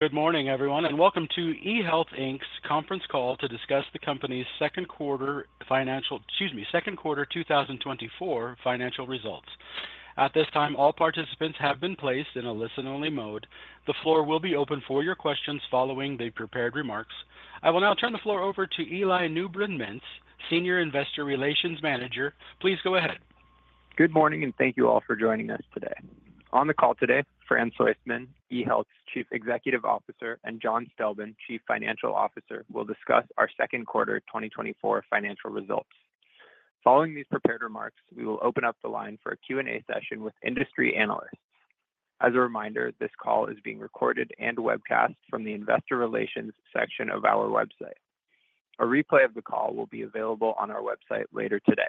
Good morning, everyone, and welcome to eHealth Inc's Conference Call to discuss the company's second quarter financial... Excuse me, second quarter 2024 financial results. At this time, all participants have been placed in a listen-only mode. The floor will be open for your questions following the prepared remarks. I will now turn the floor over to Eli Newbrun-Mintz, Senior Investor Relations Manager. Please go ahead. Good morning, and thank you all for joining us today. On the call today, Fran Soistman, eHealth's Chief Executive Officer, and John Stelben, Chief Financial Officer, will discuss our second quarter 2024 financial results. Following these prepared remarks, we will open up the line for a Q&A session with industry analysts. As a reminder, this call is being recorded and webcast from the investor relations section of our website. A replay of the call will be available on our website later today.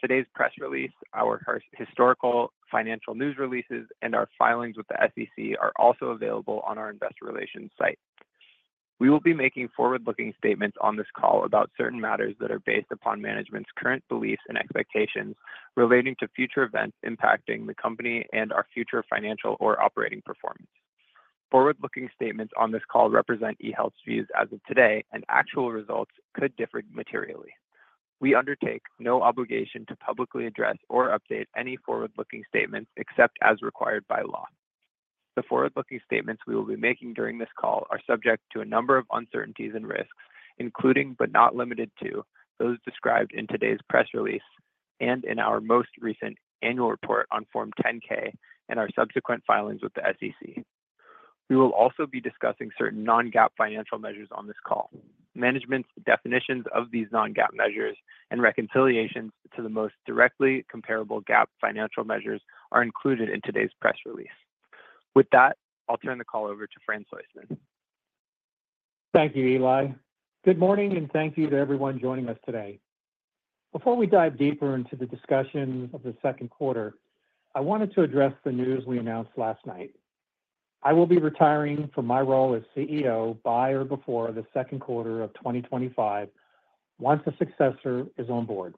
Today's press release, our historical financial news releases, and our filings with the SEC are also available on our investor relations site. We will be making forward-looking statements on this call about certain matters that are based upon management's current beliefs and expectations relating to future events impacting the company and our future financial or operating performance. Forward-looking statements on this call represent eHealth's views as of today, and actual results could differ materially. We undertake no obligation to publicly address or update any forward-looking statements except as required by law. The forward-looking statements we will be making during this call are subject to a number of uncertainties and risks, including, but not limited to, those described in today's press release and in our most recent annual report on Form 10-K and our subsequent filings with the SEC. We will also be discussing certain non-GAAP financial measures on this call. Management's definitions of these non-GAAP measures and reconciliations to the most directly comparable GAAP financial measures are included in today's press release. With that, I'll turn the call over to Fran Soistman. Thank you, Eli. Good morning, and thank you to everyone joining us today. Before we dive deeper into the discussion of the second quarter, I wanted to address the news we announced last night. I will be retiring from my role as CEO by or before the second quarter of 2025, once a successor is on board.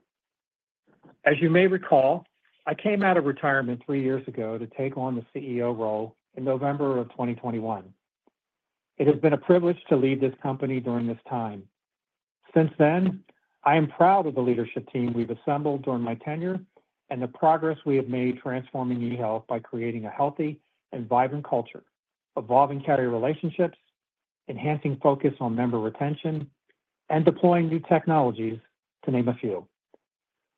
As you may recall, I came out of retirement three years ago to take on the CEO role in November of 2021. It has been a privilege to lead this company during this time. Since then, I am proud of the leadership team we've assembled during my tenure and the progress we have made transforming eHealth by creating a healthy and vibrant culture, evolving carrier relationships, enhancing focus on member retention, and deploying new technologies, to name a few.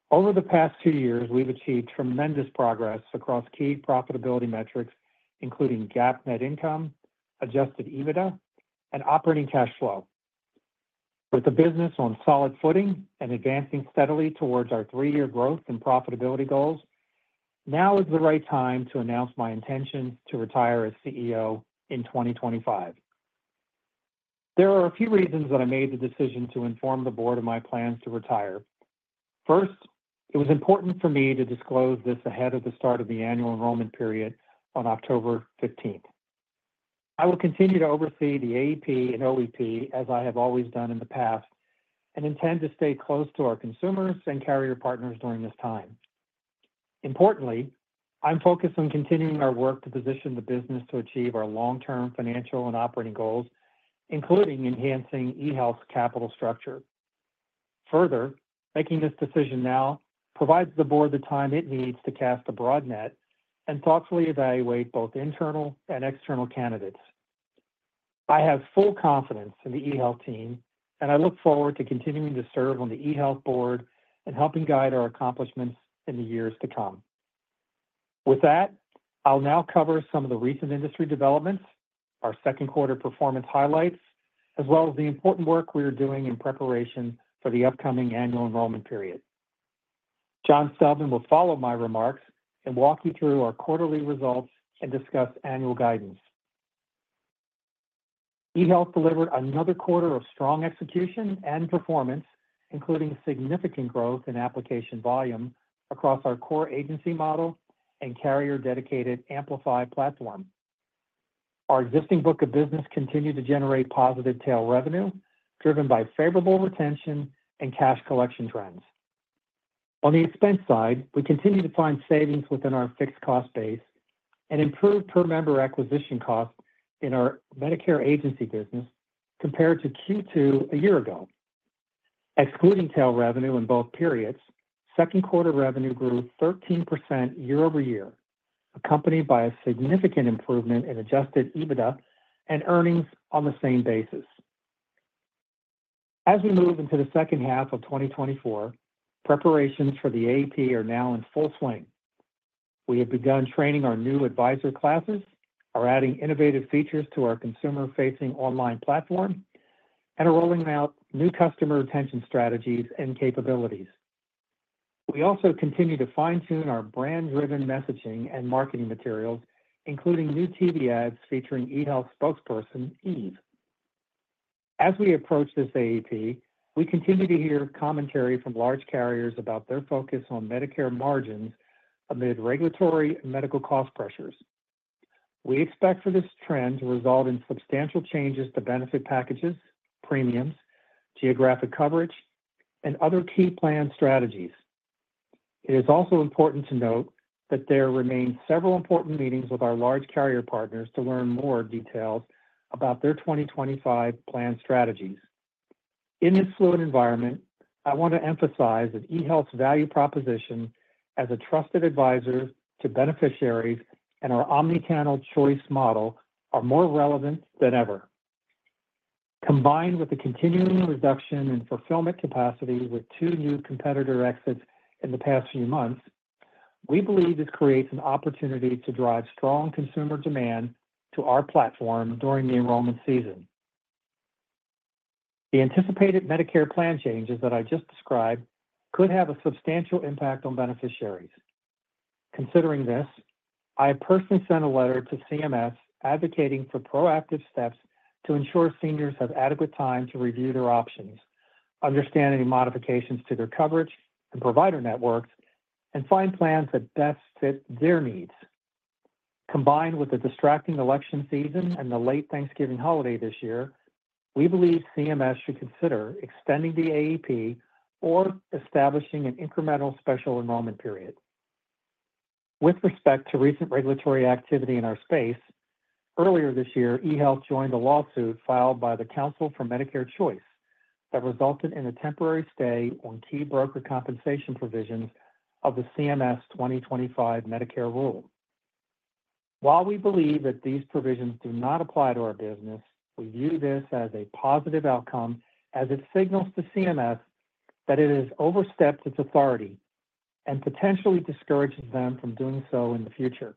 Over the past two years, we've achieved tremendous progress across key profitability metrics, including GAAP net income, Adjusted EBITDA, and operating cash flow. With the business on solid footing and advancing steadily towards our three-year growth and profitability goals, now is the right time to announce my intention to retire as CEO in 2025. There are a few reasons that I made the decision to inform the board of my plans to retire. First, it was important for me to disclose this ahead of the start of the Annual Enrollment Period on October 15. I will continue to oversee the AEP and OEP, as I have always done in the past, and intend to stay close to our consumers and carrier partners during this time. Importantly, I'm focused on continuing our work to position the business to achieve our long-term financial and operating goals, including enhancing eHealth's capital structure. Further, making this decision now provides the board the time it needs to cast a broad net and thoughtfully evaluate both internal and external candidates. I have full confidence in the eHealth team, and I look forward to continuing to serve on the eHealth board and helping guide our accomplishments in the years to come. With that, I'll now cover some of the recent industry developments, our second quarter performance highlights, as well as the important work we are doing in preparation for the upcoming Annual Enrollment Period. John Stelben will follow my remarks and walk you through our quarterly results and discuss annual guidance. eHealth delivered another quarter of strong execution and performance, including significant growth in application volume across our core agency model and carrier-dedicated Amplify platform. Our existing book of business continued to generate positive tail revenue, driven by favorable retention and cash collection trends. On the expense side, we continue to find savings within our fixed cost base and improved per member acquisition costs in our Medicare agency business compared to Q2 a year ago. Excluding tail revenue in both periods, second quarter revenue grew 13% year-over-year, accompanied by a significant improvement in Adjusted EBITDA and earnings on the same basis. As we move into the second half of 2024, preparations for the AEP are now in full swing. We have begun training our new advisor classes, are adding innovative features to our consumer-facing online platform, and are rolling out new customer retention strategies and capabilities. We also continue to fine-tune our brand-driven messaging and marketing materials, including new TV ads featuring eHealth spokesperson, Eve. As we approach this AEP, we continue to hear commentary from large carriers about their focus on Medicare margins amid regulatory and medical cost pressures. We expect for this trend to result in substantial changes to benefit packages, premiums, geographic coverage, and other key plan strategies... It is also important to note that there remain several important meetings with our large carrier partners to learn more details about their 2025 plan strategies. In this fluid environment, I want to emphasize that eHealth's value proposition as a trusted advisor to beneficiaries and our omni-channel choice model are more relevant than ever. Combined with the continuing reduction in fulfillment capacity, with two new competitor exits in the past few months, we believe this creates an opportunity to drive strong consumer demand to our platform during the enrollment season. The anticipated Medicare plan changes that I just described could have a substantial impact on beneficiaries. Considering this, I personally sent a letter to CMS advocating for proactive steps to ensure seniors have adequate time to review their options, understand any modifications to their coverage and provider networks, and find plans that best fit their needs. Combined with the distracting election season and the late Thanksgiving holiday this year, we believe CMS should consider extending the AEP or establishing an incremental Special Enrollment Period. With respect to recent regulatory activity in our space, earlier this year, eHealth joined a lawsuit filed by the Council for Medicare Choice that resulted in a temporary stay on key broker compensation provisions of the CMS 2025 Medicare rule. While we believe that these provisions do not apply to our business, we view this as a positive outcome, as it signals to CMS that it has overstepped its authority and potentially discourages them from doing so in the future.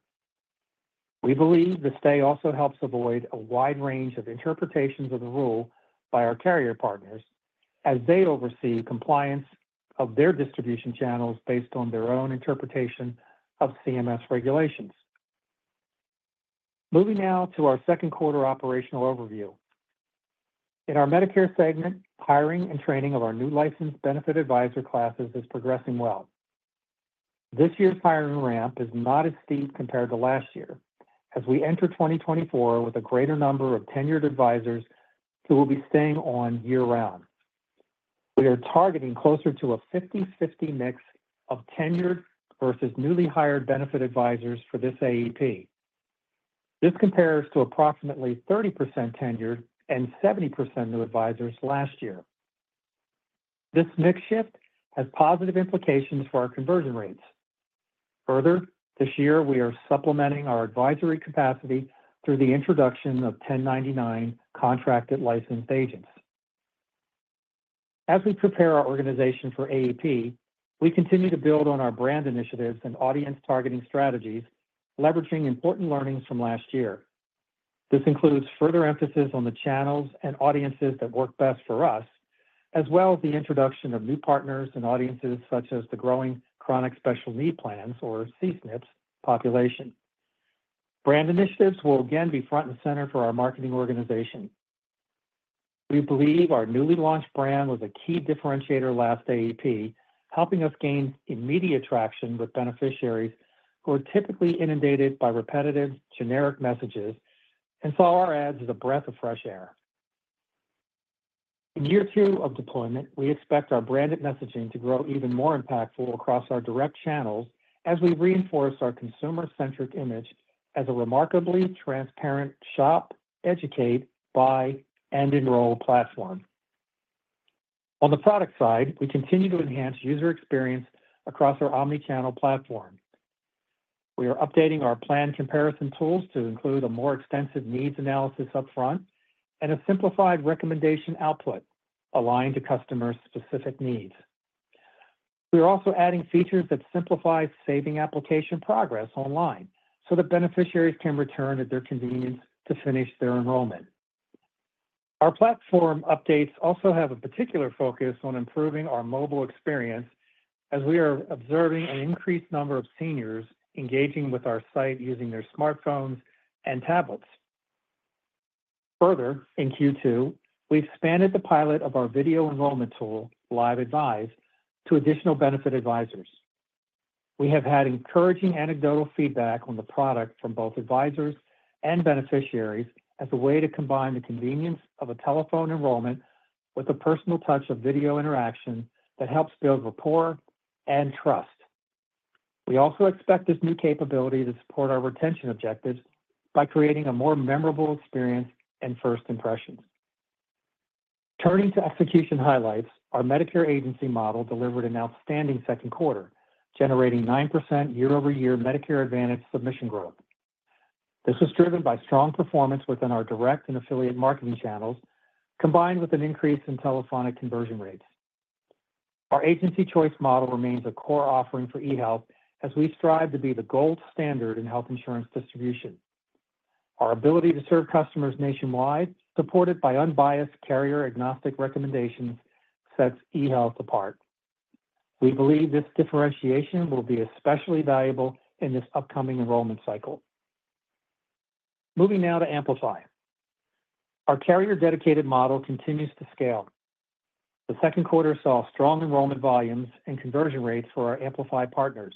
We believe the stay also helps avoid a wide range of interpretations of the rule by our carrier partners, as they oversee compliance of their distribution channels based on their own interpretation of CMS regulations. Moving now to our second quarter operational overview. In our Medicare segment, hiring and training of our new licensed benefit advisor classes is progressing well. This year's hiring ramp is not as steep compared to last year, as we enter 2024 with a greater number of tenured advisors who will be staying on year-round. We are targeting closer to a 50/50 mix of tenured versus newly hired benefit advisors for this AEP. This compares to approximately 30% tenured and 70% new advisors last year. This mix shift has positive implications for our conversion rates. Further, this year we are supplementing our advisory capacity through the introduction of 1099 contracted licensed agents. As we prepare our organization for AEP, we continue to build on our brand initiatives and audience targeting strategies, leveraging important learnings from last year. This includes further emphasis on the channels and audiences that work best for us, as well as the introduction of new partners and audiences such as the Chronic Condition Special Needs Plans, or CSNPs, population. Brand initiatives will again be front and center for our marketing organization. We believe our newly launched brand was a key differentiator last AEP, helping us gain immediate traction with beneficiaries who are typically inundated by repetitive, generic messages and saw our ads as a breath of fresh air. In year two of deployment, we expect our branded messaging to grow even more impactful across our direct channels as we reinforce our consumer-centric image as a remarkably transparent shop, educate, buy, and enroll platform. On the product side, we continue to enhance user experience across our omni-channel platform. We are updating our plan comparison tools to include a more extensive needs analysis upfront and a simplified recommendation output aligned to customers' specific needs. We are also adding features that simplify saving application progress online so that beneficiaries can return at their convenience to finish their enrollment. Our platform updates also have a particular focus on improving our mobile experience, as we are observing an increased number of seniors engaging with our site using their smartphones and tablets. Further, in Q2, we expanded the pilot of our video enrollment tool, Live Advice, to additional benefit advisors. We have had encouraging anecdotal feedback on the product from both advisors and beneficiaries as a way to combine the convenience of a telephone enrollment with the personal touch of video interaction that helps build rapport and trust. We also expect this new capability to support our retention objectives by creating a more memorable experience and first impressions. Turning to execution highlights, our Medicare agency model delivered an outstanding second quarter, generating 9% year-over-year Medicare Advantage submission growth. This was driven by strong performance within our direct and affiliate marketing channels, combined with an increase in telephonic conversion rates. Our agency choice model remains a core offering for eHealth as we strive to be the gold standard in health insurance distribution. Our ability to serve customers nationwide, supported by unbiased, carrier-agnostic recommendations, sets eHealth apart. We believe this differentiation will be especially valuable in this upcoming enrollment cycle. Moving now to Amplify. Our carrier-dedicated model continues to scale. The second quarter saw strong enrollment volumes and conversion rates for our Amplify partners.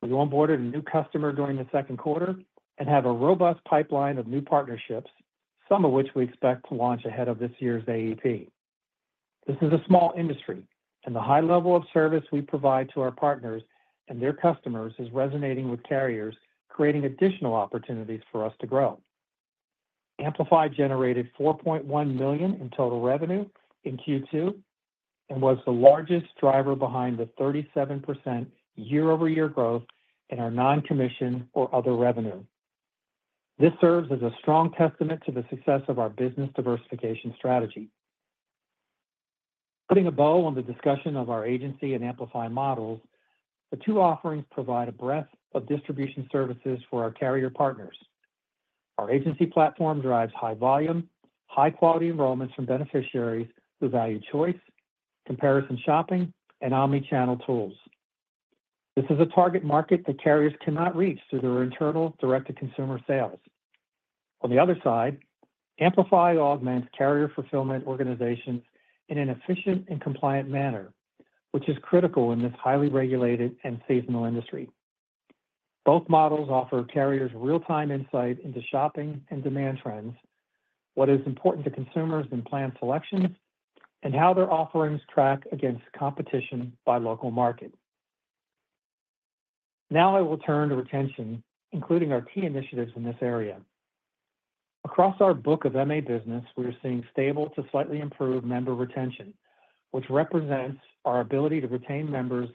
We onboarded a new customer during the second quarter and have a robust pipeline of new partnerships, some of which we expect to launch ahead of this year's AEP. This is a small industry, and the high level of service we provide to our partners and their customers is resonating with carriers, creating additional opportunities for us to grow. Amplify generated $4.1 million in total revenue in Q2, and was the largest driver behind the 37% year-over-year growth in our non-commission or other revenue. This serves as a strong testament to the success of our business diversification strategy. Putting a bow on the discussion of our agency and Amplify models, the two offerings provide a breadth of distribution services for our carrier partners. Our agency platform drives high volume, high quality enrollments from beneficiaries who value choice, comparison shopping, and omni-channel tools. This is a target market that carriers cannot reach through their internal direct-to-consumer sales. On the other side, Amplify augments carrier fulfillment organizations in an efficient and compliant manner, which is critical in this highly regulated and seasonal industry. Both models offer carriers real-time insight into shopping and demand trends, what is important to consumers in plan selections, and how their offerings track against competition by local market. Now I will turn to retention, including our key initiatives in this area. Across our book of MA business, we are seeing stable to slightly improved member retention, which represents our ability to retain members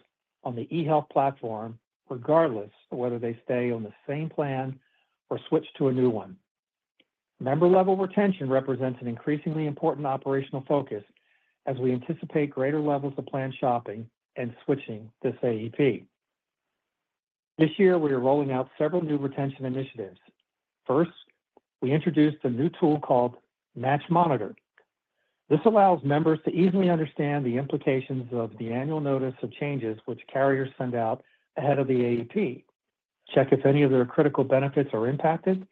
on the eHealth platform, regardless of whether they stay on the same plan or switch to a new one. Member-level retention represents an increasingly important operational focus as we anticipate greater levels of plan shopping and switching this AEP. This year, we are rolling out several new retention initiatives. First, we introduced a new tool called Match Monitor. This allows members to easily understand the implications of the Annual Notice of Changes which carriers send out ahead of the AEP, check if any of their critical benefits are impacted,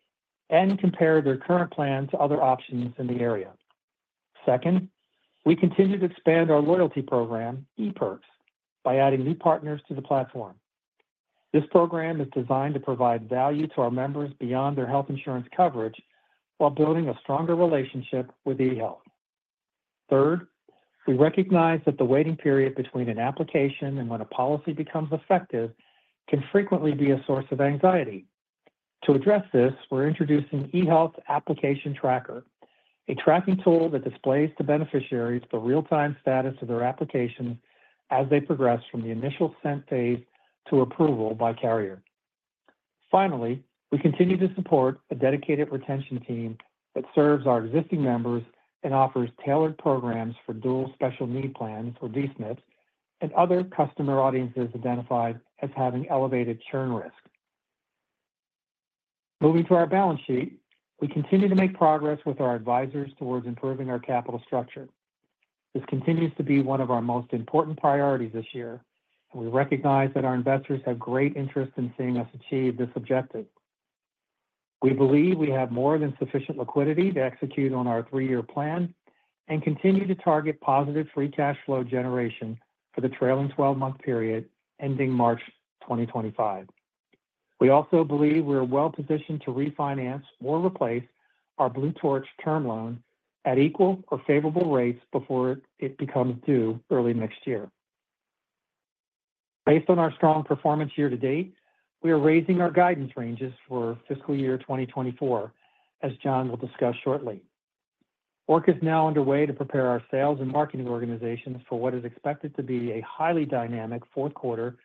and compare their current plan to other options in the area. Second, we continue to expand our loyalty program, ePerks, by adding new partners to the platform. This program is designed to provide value to our members beyond their health insurance coverage while building a stronger relationship with eHealth. Third, we recognize that the waiting period between an application and when a policy becomes effective can frequently be a source of anxiety. To address this, we're introducing eHealth Application Tracker, a tracking tool that displays to beneficiaries the real-time status of their application as they progress from the initial sent phase to approval by carrier. Finally, we continue to support a dedicated retention team that serves our existing members and offers tailored programs for Dual Eligible Special Needs Plans, or DSNPs, and other customer audiences identified as having elevated churn risk. Moving to our balance sheet, we continue to make progress with our advisors towards improving our capital structure. This continues to be one of our most important priorities this year, and we recognize that our investors have great interest in seeing us achieve this objective. We believe we have more than sufficient liquidity to execute on our three-year plan and continue to target positive free cash flow generation for the trailing twelve-month period, ending March 2025. We also believe we are well positioned to refinance or replace our Blue Torch term loan at equal or favorable rates before it becomes due early next year. Based on our strong performance year to date, we are raising our guidance ranges for fiscal year 2024, as John will discuss shortly. Work is now underway to prepare our sales and marketing organizations for what is expected to be a highly dynamic fourth quarter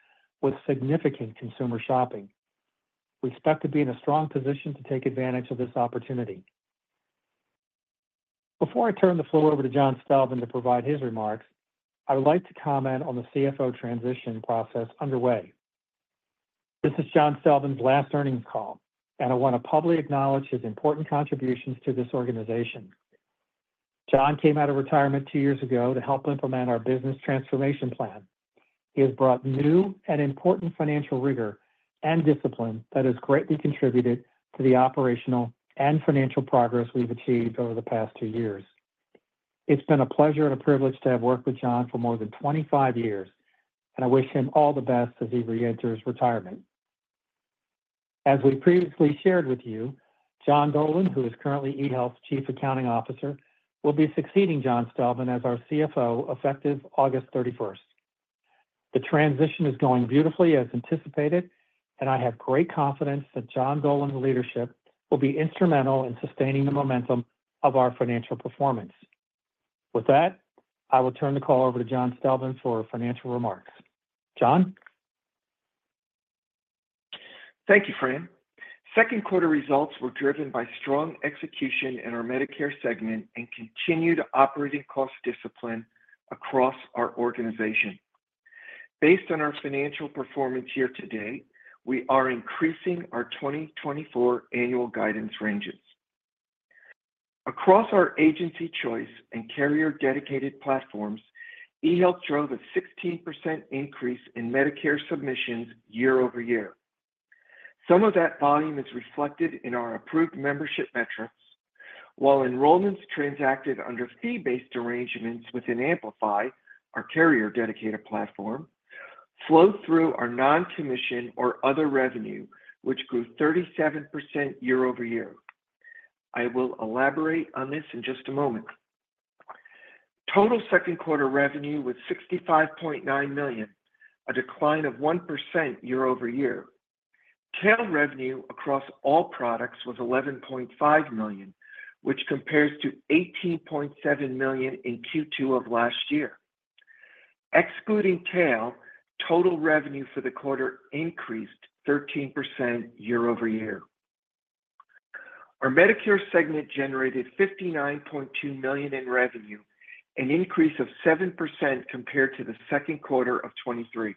with significant consumer shopping. We expect to be in a strong position to take advantage of this opportunity. Before I turn the floor over to John Stelben to provide his remarks, I would like to comment on the CFO transition process underway. This is John Stelben's last earnings call, and I want to publicly acknowledge his important contributions to this organization. John came out of retirement two years ago to help implement our business transformation plan. He has brought new and important financial rigor and discipline that has greatly contributed to the operational and financial progress we've achieved over the past two years. It's been a pleasure and a privilege to have worked with John for more than 25 years, and I wish him all the best as he reenters retirement. As we previously shared with you, John Dolan, who is currently eHealth's Chief Accounting Officer, will be succeeding John Stelben as our CFO, effective August 31. The transition is going beautifully as anticipated, and I have great confidence that John Dolan's leadership will be instrumental in sustaining the momentum of our financial performance. With that, I will turn the call over to John Stelben for financial remarks. John? Thank you, Fran. Second quarter results were driven by strong execution in our Medicare segment and continued operating cost discipline across our organization. Based on our financial performance year to date, we are increasing our 2024 annual guidance ranges. Across our agency choice and carrier-dedicated platforms, eHealth drove a 16% increase in Medicare submissions year-over-year. Some of that volume is reflected in our approved membership metrics, while enrollments transacted under fee-based arrangements within Amplify, our carrier-dedicated platform, flow through our non-commission or other revenue, which grew 37% year-over-year. I will elaborate on this in just a moment. Total second quarter revenue was $65.9 million, a decline of 1% year-over-year. Tail revenue across all products was $11.5 million, which compares to $18.7 million in Q2 of last year. Excluding tail, total revenue for the quarter increased 13% year-over-year. Our Medicare segment generated $59.2 million in revenue, an increase of 7% compared to the second quarter of 2023.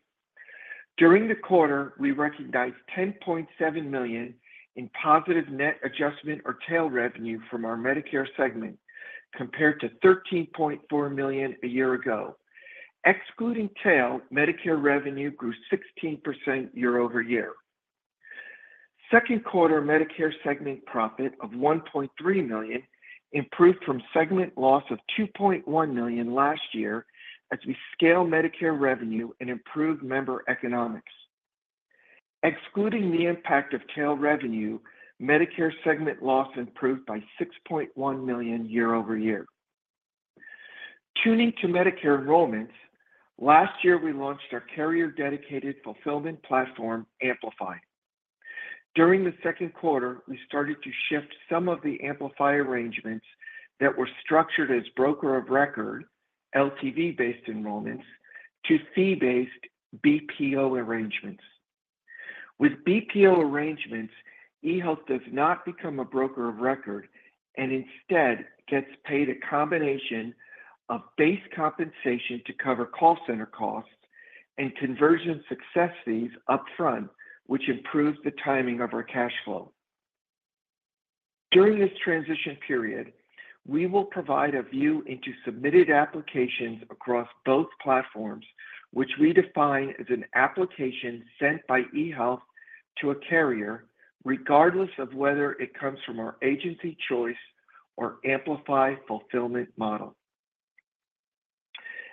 During the quarter, we recognized $10.7 million in positive net adjustment or tail revenue from our Medicare segment, compared to $13.4 million a year ago. Excluding tail, Medicare revenue grew 16% year-over-year. Second quarter Medicare segment profit of $1.3 million improved from segment loss of $2.1 million last year as we scale Medicare revenue and improve member economics. Excluding the impact of tail revenue, Medicare segment loss improved by $6.1 million year-over-year. Turning to Medicare enrollments, last year, we launched our carrier-dedicated fulfillment platform, Amplify. During the second quarter, we started to shift some of the Amplify arrangements that were structured as broker of record, LTV-based enrollments, to fee-based BPO arrangements. With BPO arrangements, eHealth does not become a broker of record and instead gets paid a combination of base compensation to cover call center costs and conversion success fees upfront, which improves the timing of our cash flow. During this transition period, we will provide a view into submitted applications across both platforms, which we define as an application sent by eHealth to a carrier, regardless of whether it comes from our agency choice or Amplify fulfillment model.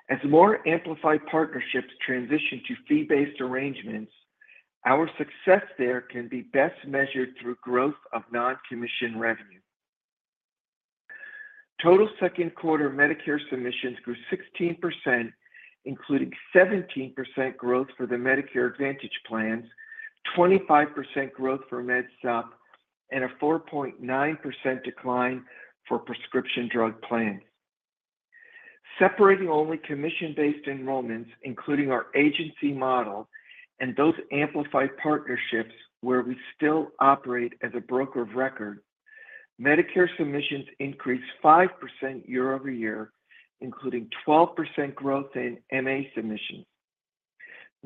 As more Amplify partnerships transition to fee-based arrangements, our success there can be best measured through growth of non-commission revenue. Total second quarter Medicare submissions grew 16%, including 17% growth for the Medicare Advantage plans, 25% growth for Med Supp, and a 4.9% decline for prescription drug plans. Separating only commission-based enrollments, including our agency model and those Amplify partnerships where we still operate as a broker of record, Medicare submissions increased 5% year-over-year, including 12% growth in MA submissions.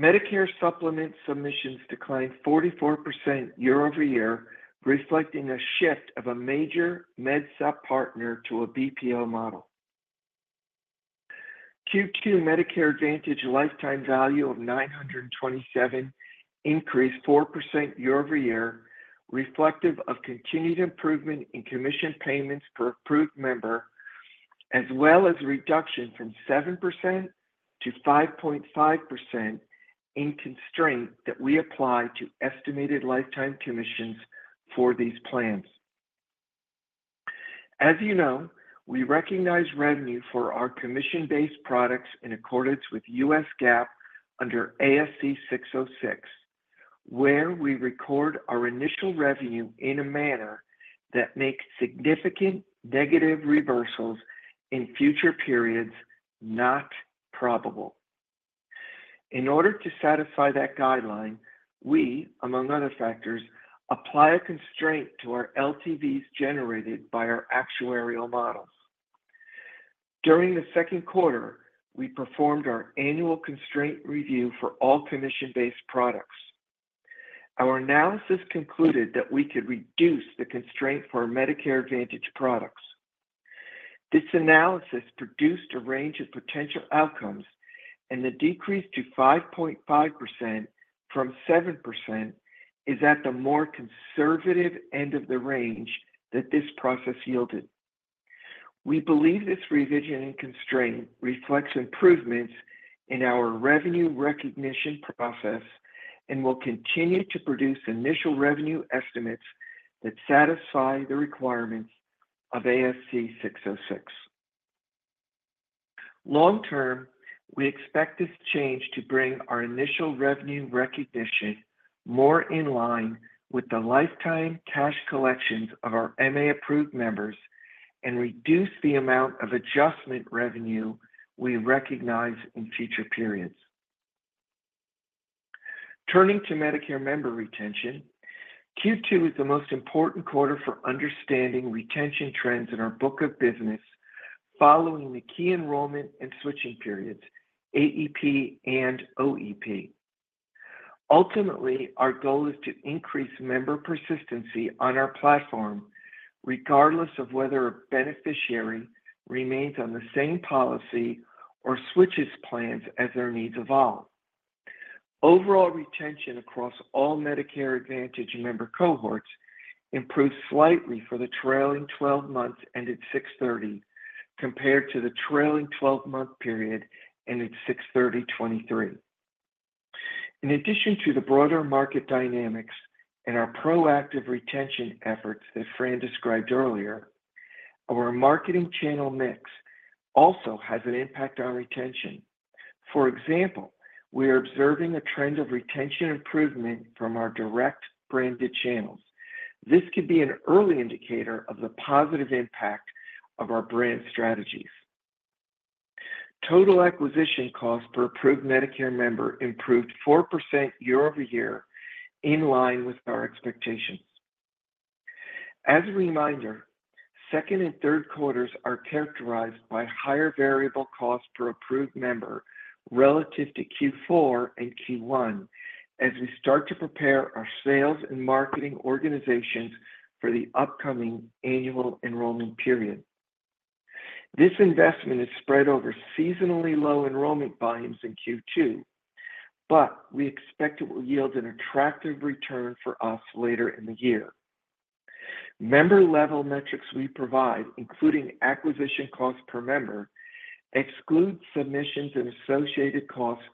Medicare Supplement submissions declined 44% year-over-year, reflecting a shift of a major Med Supp partner to a BPO model. Q2 Medicare Advantage lifetime value of $927 increased 4% year-over-year, reflective of continued improvement in commission payments per approved member, as well as a reduction from 7%-5.5% in constraint that we apply to estimated lifetime commissions for these plans. As you know, we recognize revenue for our commission-based products in accordance with U.S. GAAP under ASC 606, where we record our initial revenue in a manner that makes significant negative reversals in future periods not probable. In order to satisfy that guideline, we, among other factors, apply a constraint to our LTVs generated by our actuarial models. During the second quarter, we performed our annual constraint review for all commission-based products. Our analysis concluded that we could reduce the constraint for our Medicare Advantage products. This analysis produced a range of potential outcomes, and the decrease to 5.5% from 7% is at the more conservative end of the range that this process yielded. We believe this revision and constraint reflects improvements in our revenue recognition process and will continue to produce initial revenue estimates that satisfy the requirements of ASC 606. Long term, we expect this change to bring our initial revenue recognition more in line with the lifetime cash collections of our MA-approved members and reduce the amount of adjustment revenue we recognize in future periods. Turning to Medicare member retention, Q2 is the most important quarter for understanding retention trends in our book of business following the key enrollment and switching periods, AEP and OEP. Ultimately, our goal is to increase member persistency on our platform... regardless of whether a beneficiary remains on the same policy or switches plans as their needs evolve. Overall retention across all Medicare Advantage member cohorts improved slightly for the trailing twelve months ended June 30, compared to the trailing twelve-month period ended June 30, 2023. In addition to the broader market dynamics and our proactive retention efforts that Fran described earlier, our marketing channel mix also has an impact on retention. For example, we are observing a trend of retention improvement from our direct branded channels. This could be an early indicator of the positive impact of our brand strategies. Total acquisition costs per approved Medicare member improved 4% year-over-year, in line with our expectations. As a reminder, second and third quarters are characterized by higher variable costs per approved member relative to Q4 and Q1 as we start to prepare our sales and marketing organizations for the upcoming Annual Enrollment Period. This investment is spread over seasonally low enrollment volumes in Q2, but we expect it will yield an attractive return for us later in the year. Member-level metrics we provide, including acquisition costs per member, exclude submissions and associated costs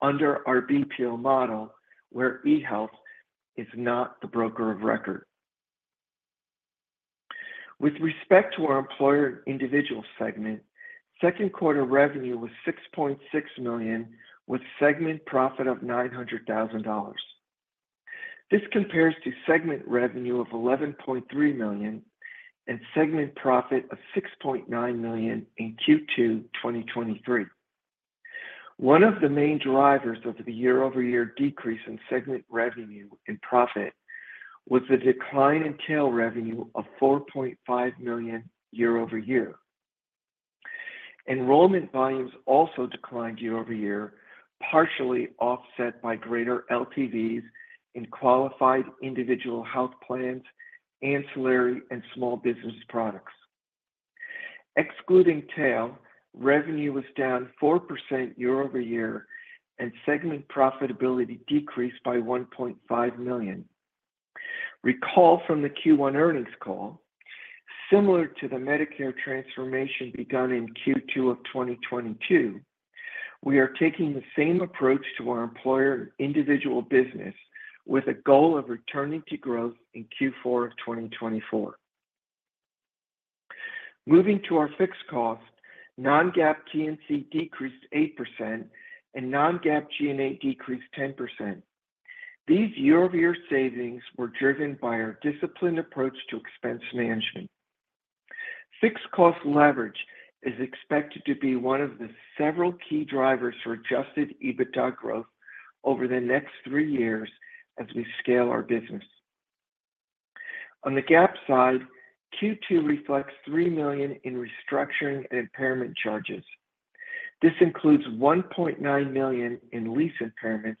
under our BPO model, where eHealth is not the broker of record. With respect to our employer individual segment, second quarter revenue was $6.6 million, with segment profit of $900,000. This compares to segment revenue of $11.3 million and segment profit of $6.9 million in Q2 2023. One of the main drivers of the year-over-year decrease in segment revenue and profit was the decline in tail revenue of $4.5 million year-over-year. Enrollment volumes also declined year over year, partially offset by greater LTVs in qualified individual health plans, ancillary, and small business products. Excluding tail, revenue was down 4% year-over-year, and segment profitability decreased by $1.5 million. Recall from the Q1 earnings call, similar to the Medicare transformation begun in Q2 of 2022, we are taking the same approach to our employer individual business, with a goal of returning to growth in Q4 of 2024. Moving to our fixed cost, non-GAAP T&C decreased 8% and non-GAAP G&A decreased 10%. These year-over-year savings were driven by our disciplined approach to expense management. Fixed cost leverage is expected to be one of the several key drivers for Adjusted EBITDA growth over the next three years as we scale our business. On the GAAP side, Q2 reflects $3 million in restructuring and impairment charges. This includes $1.9 million in lease impairments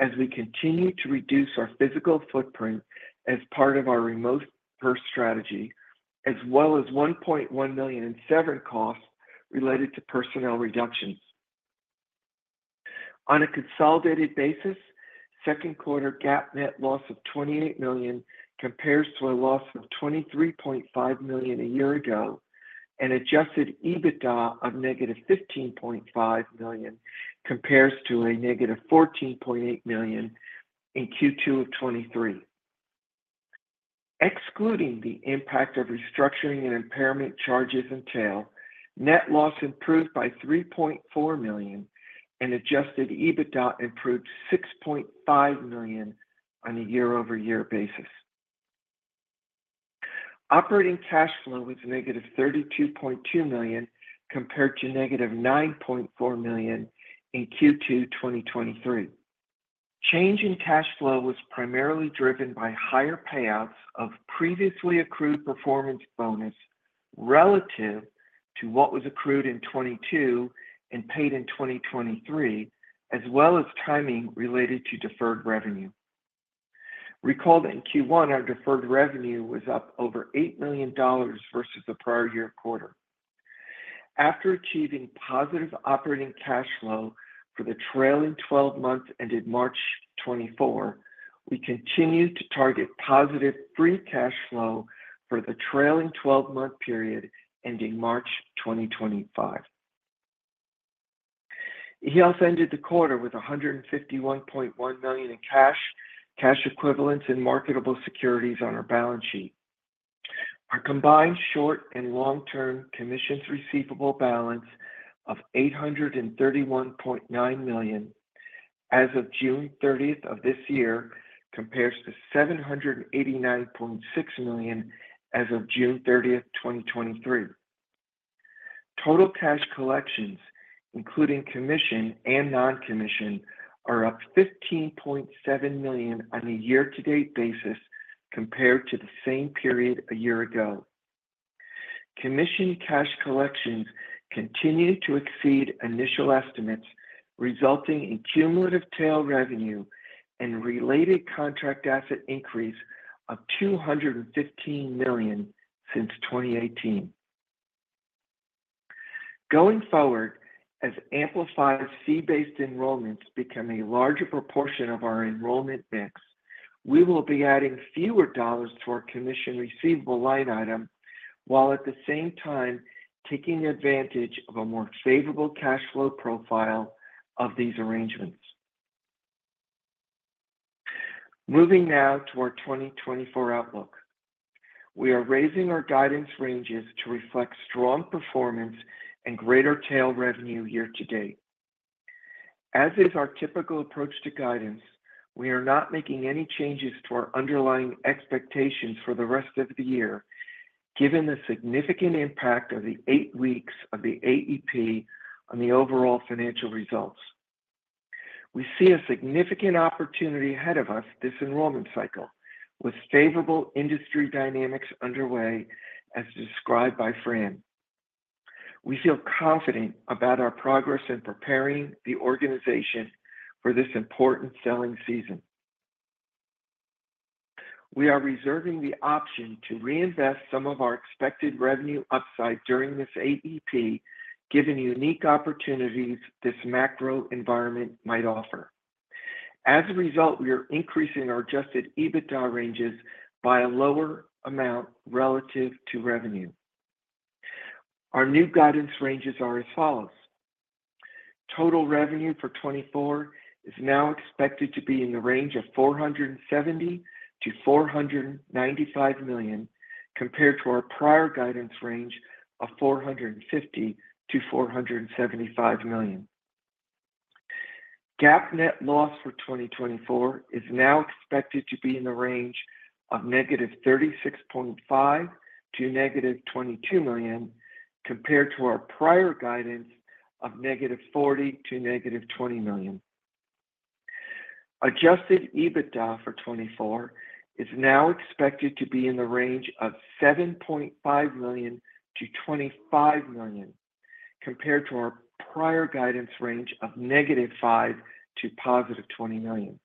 as we continue to reduce our physical footprint as part of our remote first strategy, as well as $1.1 million in severance costs related to personnel reductions. On a consolidated basis, second quarter GAAP net loss of $28 million compares to a loss of $23.5 million a year ago, and Adjusted EBITDA of $-15.5 million compares to $-14.8 million in Q2 of 2023. Excluding the impact of restructuring and impairment charges and tail, net loss improved by $3.4 million, and Adjusted EBITDA improved $6.5 million on a year-over-year basis. Operating cash flow was $-32.2 million, compared to $-9.4 million in Q2 2023. Change in cash flow was primarily driven by higher payouts of previously accrued performance bonus relative to what was accrued in 2022 and paid in 2023, as well as timing related to deferred revenue. Recall that in Q1, our deferred revenue was up over $8 million versus the prior year quarter. After achieving positive operating cash flow for the trailing 12 months ended March 2024, we continue to target positive free cash flow for the trailing 12-month period ending March 2025. eHealth ended the quarter with $151.1 million in cash, cash equivalents, and marketable securities on our balance sheet. Our combined short and long-term commissions receivable balance of $831.9 million as of June 30 of this year compares to $789.6 million as of June 30, 2023. Total cash collections, including commission and non-commission, are up $15.7 million on a year-to-date basis compared to the same period a year ago. Commission cash collections continued to exceed initial estimates, resulting in cumulative tail revenue and related contract asset increase of $215 million since 2018. Going forward, as Amplify fee-based enrollments become a larger proportion of our enrollment mix, we will be adding fewer dollars to our commission receivable line item, while at the same time taking advantage of a more favorable cash flow profile of these arrangements. Moving now to our 2024 outlook. We are raising our guidance ranges to reflect strong performance and greater tail revenue year to date. As is our typical approach to guidance, we are not making any changes to our underlying expectations for the rest of the year, given the significant impact of the eight weeks of the AEP on the overall financial results. We see a significant opportunity ahead of us this enrollment cycle, with favorable industry dynamics underway, as described by Fran. We feel confident about our progress in preparing the organization for this important selling season. We are reserving the option to reinvest some of our expected revenue upside during this AEP, given the unique opportunities this macro environment might offer. As a result, we are increasing our Adjusted EBITDA ranges by a lower amount relative to revenue. Our new guidance ranges are as follows: Total revenue for 2024 is now expected to be in the range of $470 million-$495 million, compared to our prior guidance range of $450 million-$475 million. GAAP net loss for 2024 is now expected to be in the range of $-36.5 million to $-22 million, compared to our prior guidance of $-40 million to $-20 million. Adjusted EBITDA for 2024 is now expected to be in the range of $7.5 million-$25 million, compared to our prior guidance range of $-5 million to $+20 million.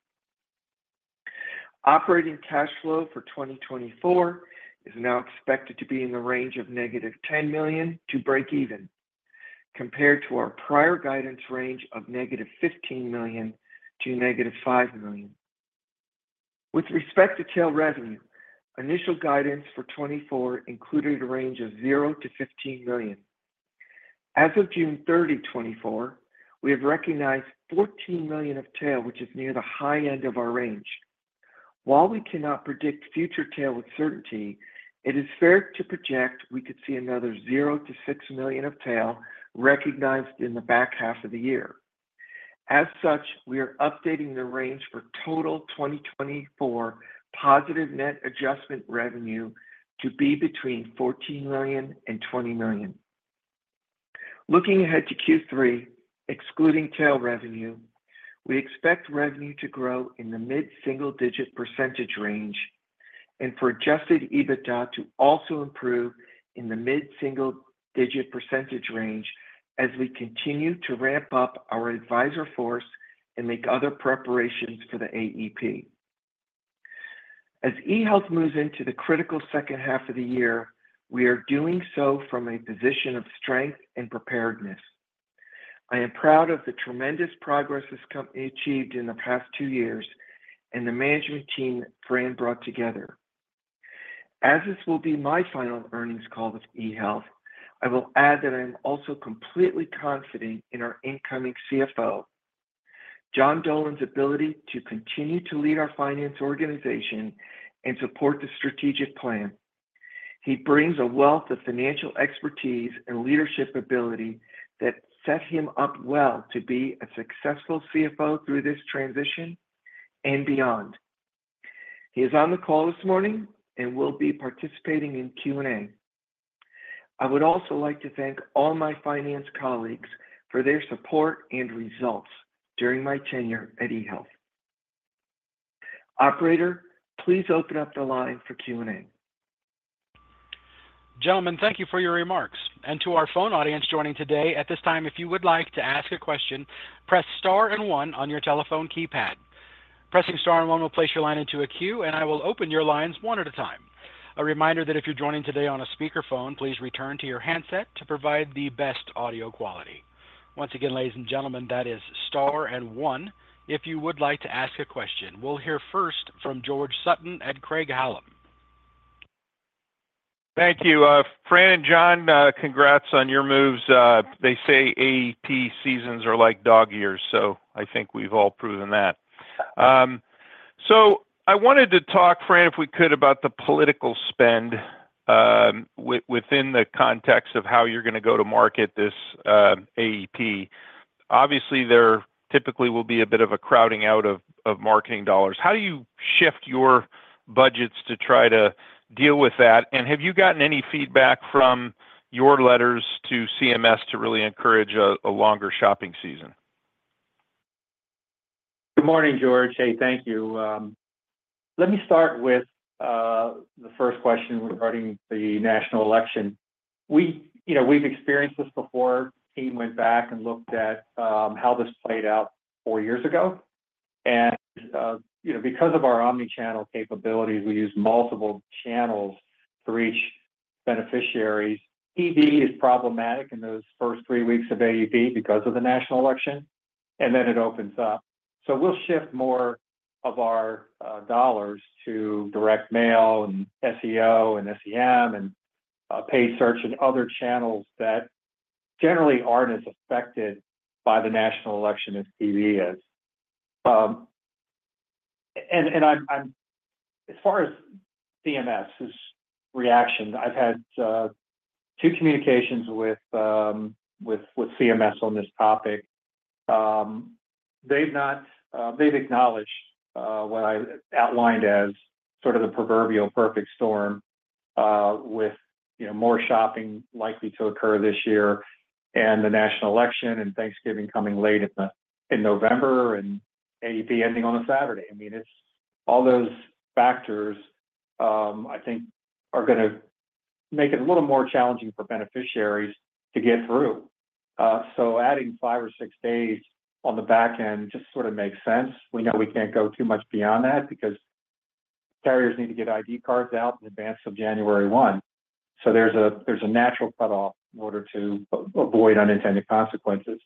Operating cash flow for 2024 is now expected to be in the range of $-10 million to break even, compared to our prior guidance range of $-15 million to $-5 million. With respect to tail revenue, initial guidance for 2024 included a range of zero to $15 million. As of June 30, 2024, we have recognized $14 million of tail, which is near the high end of our range. While we cannot predict future tail with certainty, it is fair to project we could see another zero to `$6 million of tail recognized in the back half of the year. As such, we are updating the range for total 2024 positive net adjustment revenue to be between $14 million and $20 million. Looking ahead to Q3, excluding tail revenue, we expect revenue to grow in the mid-single-digit % range and for Adjusted EBITDA to also improve in the mid-single-digit percentage range as we continue to ramp up our advisor force and make other preparations for the AEP. As eHealth moves into the critical second half of the year, we are doing so from a position of strength and preparedness. I am proud of the tremendous progress this company achieved in the past two years and the management team Fran brought together. As this will be my final earnings call with eHealth, I will add that I am also completely confident in our incoming CFO, John Dolan's ability to continue to lead our finance organization and support the strategic plan. He brings a wealth of financial expertise and leadership ability that set him up well to be a successful CFO through this transition and beyond. He is on the call this morning and will be participating in Q&A. I would also like to thank all my finance colleagues for their support and results during my tenure at eHealth. Operator, please open up the line for Q&A. Gentlemen, thank you for your remarks. To our phone audience joining today, at this time, if you would like to ask a question, press star and one on your telephone keypad. Pressing star and one will place your line into a queue, and I will open your lines one at a time. A reminder that if you're joining today on a speakerphone, please return to your handset to provide the best audio quality. Once again, ladies and gentlemen, that is star and one if you would like to ask a question. We'll hear first from George Sutton at Craig-Hallum. Thank you. Fran and John, congrats on your moves. They say AEP seasons are like dog years, so I think we've all proven that. So I wanted to talk, Fran, if we could, about the political spend within the context of how you're going to go to market this AEP. Obviously, there typically will be a bit of a crowding out of marketing dollars. How do you shift your budgets to try to deal with that? And have you gotten any feedback from your letters to CMS to really encourage a longer shopping season? Good morning, George. Hey, thank you. Let me start with the first question regarding the national election. We, you know, we've experienced this before. Team went back and looked at how this played out four years ago. And you know, because of our omni-channel capabilities, we use multiple channels to reach beneficiaries. TV is problematic in those first three weeks of AEP because of the national election, and then it opens up. So we'll shift more of our dollars to direct mail, and SEO, and SEM, and paid search, and other channels that generally aren't as affected by the national election as TV is. And I'm as far as CMS's reaction, I've had two communications with CMS on this topic. They've not... They've acknowledged what I outlined as sort of the proverbial perfect storm, with, you know, more shopping likely to occur this year, and the national election, and Thanksgiving coming late in the, in November, and AEP ending on a Saturday. I mean, it's all those factors, I think are gonna make it a little more challenging for beneficiaries to get through. So adding five or six days on the back end just sort of makes sense. We know we can't go too much beyond that because carriers need to get ID cards out in advance of January 1, so there's a, there's a natural cutoff in order to avoid unintended consequences.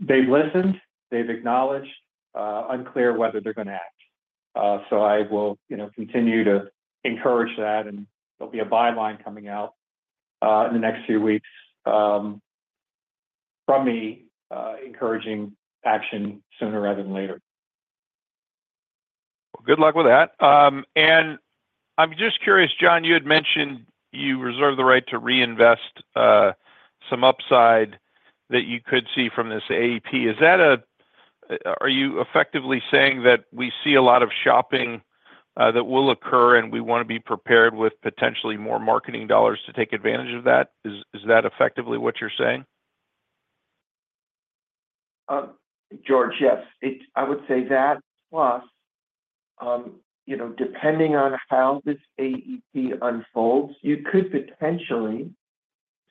They've listened, they've acknowledged, unclear whether they're gonna act. So I will, you know, continue to encourage that, and there'll be a byline coming out in the next few weeks from me, encouraging action sooner rather than later. Well, good luck with that. And I'm just curious, John. You had mentioned you reserve the right to reinvest some upside that you could see from this AEP. Is that... Are you effectively saying that we see a lot of shopping that will occur, and we wanna be prepared with potentially more marketing dollars to take advantage of that? Is that effectively what you're saying? George, yes. I would say that, plus, you know, depending on how this AEP unfolds, you could potentially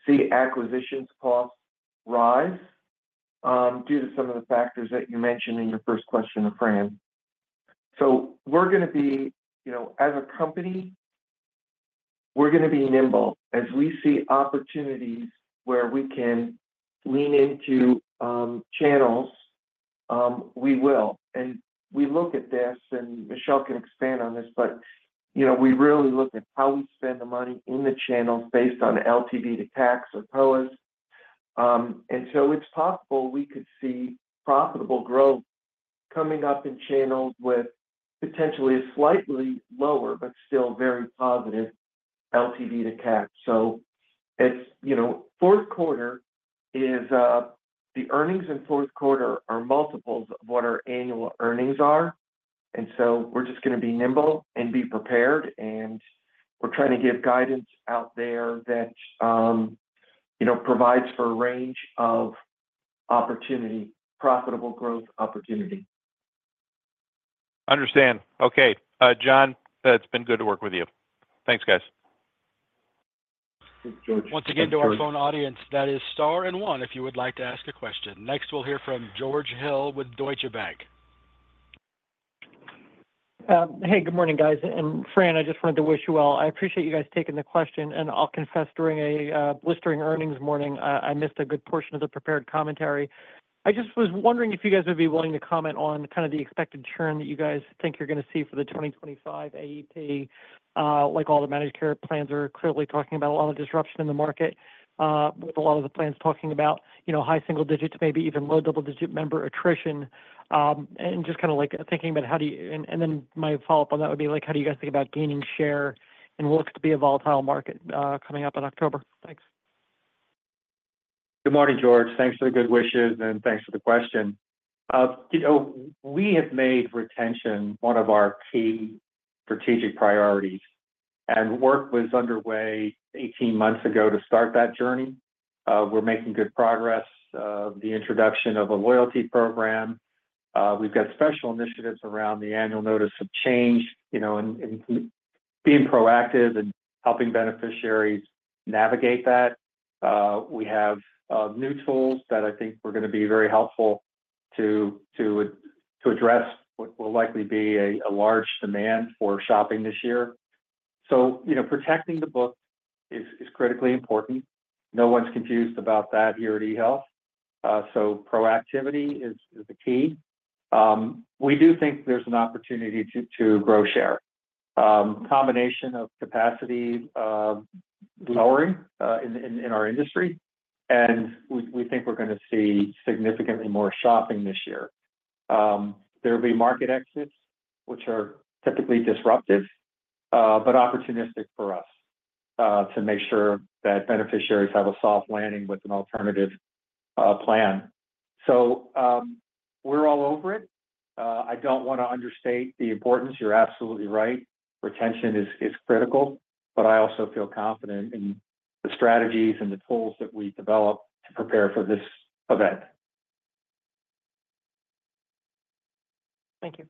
see acquisition costs rise due to some of the factors that you mentioned in your first question to Fran. So we're gonna be... You know, as a company, we're gonna be nimble. As we see opportunities where we can lean into channels, we will. And we look at this, and Michelle can expand on this, but, you know, we really look at how we spend the money in the channels based on LTV to CAC or POAS. And so it's possible we could see profitable growth coming up in channels with potentially a slightly lower, but still very positive LTV to CAC. So it's, you know, fourth quarter is, the earnings in fourth quarter are multiples of what our annual earnings are, and so we're just gonna be nimble and be prepared, and we're trying to give guidance out there that, you know, provides for a range of opportunity, profitable growth opportunity. Understand. Okay. John, it's been good to work with you. Thanks, guys. Thanks, George. Once again, to our phone audience, that is star and one if you would like to ask a question. Next, we'll hear from George Hill with Deutsche Bank. Hey, good morning, guys. Fran, I just wanted to wish you well. I appreciate you guys taking the question, and I'll confess, during a blistering earnings morning, I missed a good portion of the prepared commentary. I just was wondering if you guys would be willing to comment on kind of the expected churn that you guys think you're gonna see for the 2025 AEP. Like all the managed care plans are clearly talking about a lot of disruption in the market, with a lot of the plans talking about, you know, high single digits, maybe even low double-digit member attrition. And just kind of like thinking about, and then my follow-up on that would be like, how do you guys think about gaining share in what looks to be a volatile market, coming up in October? Thanks. Good morning, George. Thanks for the good wishes, and thanks for the question. You know, we have made retention one of our key strategic priorities, and work was underway 18 months ago to start that journey. We're making good progress. The introduction of a loyalty program, we've got special initiatives around the annual notice of change, you know, and being proactive and helping beneficiaries navigate that. We have new tools that I think we're gonna be very helpful to address what will likely be a large demand for shopping this year. So, you know, protecting the book is critically important. No one's confused about that here at eHealth. So proactivity is the key. We do think there's an opportunity to grow share. Combination of capacity lowering in our industry, and we think we're gonna see significantly more shopping this year. There will be market exits, which are typically disruptive, but opportunistic for us, to make sure that beneficiaries have a soft landing with an alternative plan. So, we're all over it. I don't wanna understate the importance. You're absolutely right. Retention is critical, but I also feel confident in the strategies and the tools that we developed to prepare for this event. Thank you.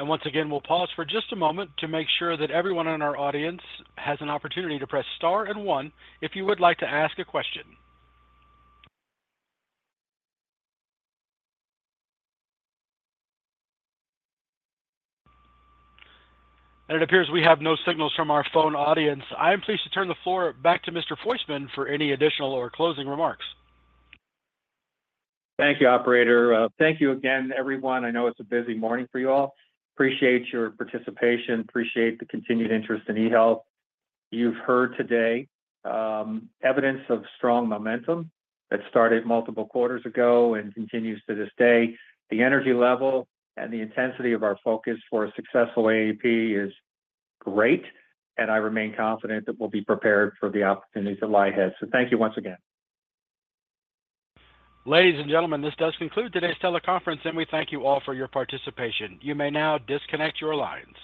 Once again, we'll pause for just a moment to make sure that everyone in our audience has an opportunity to press Star and One if you would like to ask a question. It appears we have no signals from our phone audience. I'm pleased to turn the floor back to Mr. Soistman for any additional or closing remarks. Thank you, operator. Thank you again, everyone. I know it's a busy morning for you all. Appreciate your participation, appreciate the continued interest in eHealth. You've heard today, evidence of strong momentum that started multiple quarters ago and continues to this day. The energy level and the intensity of our focus for a successful AEP is great, and I remain confident that we'll be prepared for the opportunities that lie ahead. So thank you once again. Ladies and gentlemen, this does conclude today's teleconference, and we thank you all for your participation. You may now disconnect your lines.